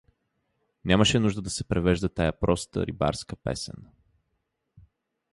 Нямаше нужда да се превежда тая проста рибарска песен.